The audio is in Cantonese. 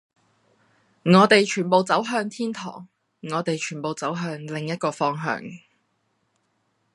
我哋全部走向天堂，我哋全部走向另一個方向，